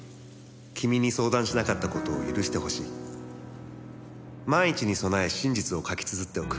「君に相談しなかった事を許してほしい」「万一に備え真実を書き綴っておく」